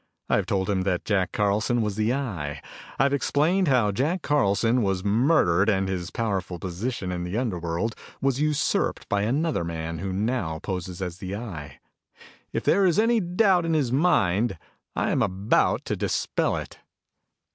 I've told him that Jack Carlson was the Eye. I've explained how Jack Carlson was murdered and his powerful position in the underworld was usurped by another man who now poses as the Eye. If there is any doubt in his mind, I am about to dispel it."